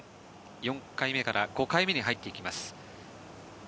４回目から５回目に入っていきます。